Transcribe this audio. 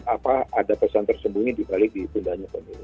apa ada pesan tersembunyi di balik ditundanya pemilu